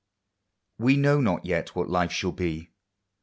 We know not yet what life shall be.